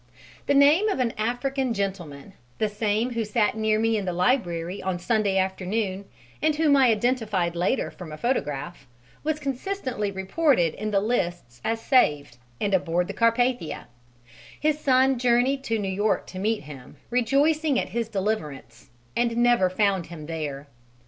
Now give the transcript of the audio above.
The name of an American gentleman the same who sat near me in the library on Sunday afternoon and whom I identified later from a photograph was consistently reported in the lists as saved and aboard the Carpathia: his son journeyed to New York to meet him, rejoicing at his deliverance, and never found him there.